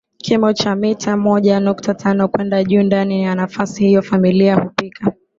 kimo cha mita moja nukta tano kwenda juu Ndani ya nafasi hiyo familia hupika